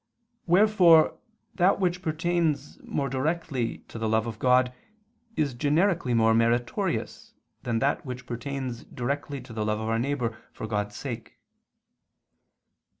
Wherefore that which pertains more directly to the love of God is generically more meritorious than that which pertains directly to the love of our neighbor for God's sake.